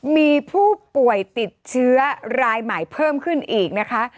มีผู้ป่วยติดเชื้อรายใหม่เพิ่มขึ้นอีกนะคะ